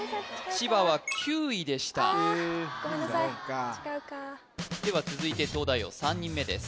千葉は９位でしたごめんなさい違うかそうかでは続いて東大王３人目です